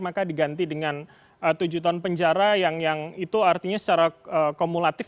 maka diganti dengan tujuh tahun penjara yang itu artinya secara kumulatif